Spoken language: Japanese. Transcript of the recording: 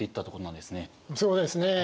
そうですね。